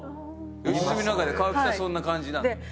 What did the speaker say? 吉住の中で川北はそんな感じなんだ。